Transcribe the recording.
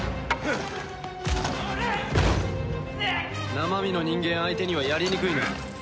生身の人間相手にはやりにくいな。